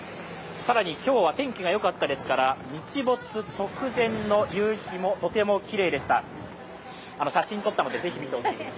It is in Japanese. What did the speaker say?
更に今日は天気がよかったですから、日没直前の夕日もとてもきれいでした写真撮ったので是非、見てほしい。